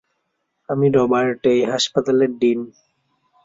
আমি রবার্ট, এই হাসপাতালের ডিন।